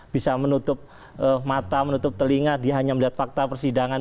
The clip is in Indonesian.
bisa menutup mata menutup telinga dia hanya melihat fakta persidangan